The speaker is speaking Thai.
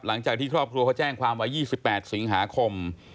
หลังจากที่ครอบครัวเขาแจ้งความไว้๒๘สิงหาคม